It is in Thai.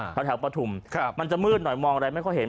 แถวปฐุมมันจะมืดหน่อยมองอะไรไม่ค่อยเห็น